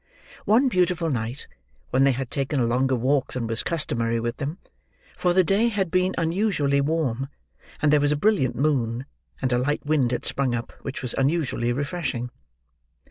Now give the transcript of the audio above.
One beautiful night, when they had taken a longer walk than was customary with them: for the day had been unusually warm, and there was a brilliant moon, and a light wind had sprung up, which was unusually refreshing.